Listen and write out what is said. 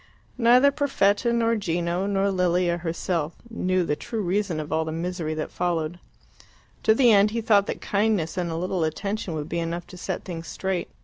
Neither Perfetta, nor Gino, nor Lilia herself knew the true reason of all the misery that followed. To the end he thought that kindness and a little attention would be enough to set things straight.